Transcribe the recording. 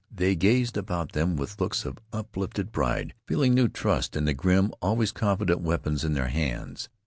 They gazed about them with looks of uplifted pride, feeling new trust in the grim, always confident weapons in their hands.